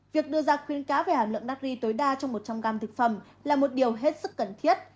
việc đưa ra khuyến cáo về hàm lượng nắc ri tối đa trong một trăm linh gram thực phẩm là một điều hết sức cần thiết